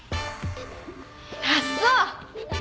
あっそう。